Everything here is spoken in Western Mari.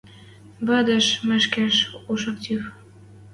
Вадеш «мышкеш» уж актив.